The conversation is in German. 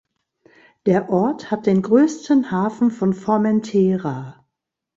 Der Ort hat den größten Hafen von Formentera.